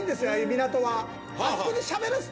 港は。